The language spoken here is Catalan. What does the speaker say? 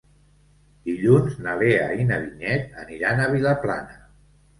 Dilluns na Lea i na Vinyet aniran a Vilaplana.